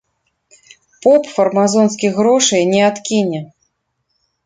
Поп фармазонскіх грошай не адкіне.